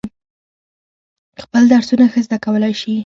خپل درسونه ښه زده کولای شي.